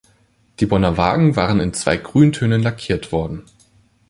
Die Bonner Wagen waren in zwei Grüntönen lackiert worden.